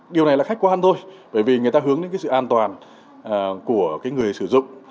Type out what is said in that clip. điều này là khách quan thôi bởi vì người ta hướng đến cái sự an toàn của người sử dụng